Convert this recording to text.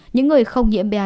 những người không nhiễm ba một